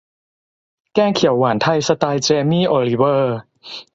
แกงเขียวหวานไทย สไตล์เจมี่ โอลิเวอร์